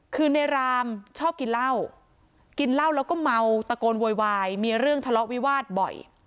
คือในรามชอบกินเหล้ากินเหล้าแล้วก็เมาตะโกนโวยวายมีเรื่องทะเลาะวิวาสบ่อย